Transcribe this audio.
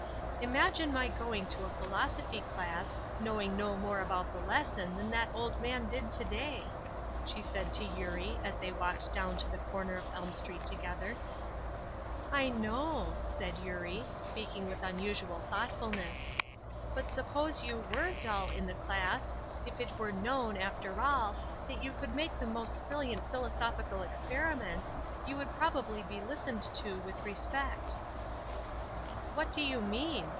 "Imagine my going to a philosophy class, knowing no more about the lesson than that old man did to day!" she said to Eurie, as they walked down to the corner of Elm Street together. "I know," said Eurie, speaking with unusual thoughtfulness; "but suppose you were dull in the class, if it were known after all that you could make the most brilliant philosophical experiments you would probably be listened to with respect." "What do you mean?"